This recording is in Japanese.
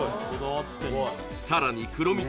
さらに黒蜜